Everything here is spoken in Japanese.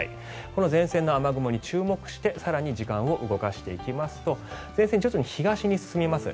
この前線の雨雲に注目して更に時間を動かしていきますと前線、徐々に東に進みます。